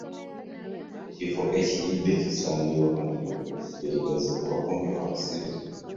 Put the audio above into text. Ekifo ekiyidde kisangibwa kumpi ne ppoliisi y’e Lugazi awakuumibwa abasibe.